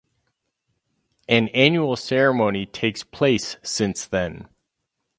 An annual ceremony takes place since then.